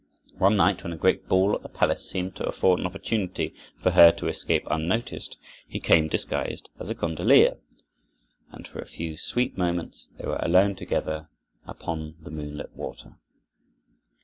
One night, when a great ball at the palace seemed to afford an opportunity for her to escape unnoticed, he came disguised as a gondolier, and for a few sweet moments they were alone together upon the moonlit water.